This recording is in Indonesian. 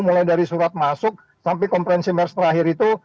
mulai dari surat masuk sampai komprensi mers terakhir itu